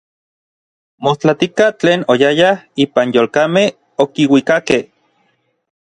Mostlatika tlen oyayaj ipan yolkamej okiuikakej.